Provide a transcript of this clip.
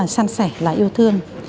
săn sẻ là yêu thương